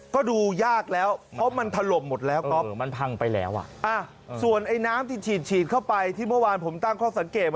ก็ดูยากแล้วเพราะมันถล่มหมดแล้วครับ